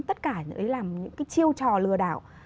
tất cả những chiêu trò lừa đảo